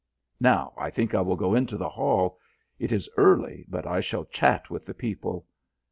Now, I think I will go into the hall. It is early, but I shall chat with the people.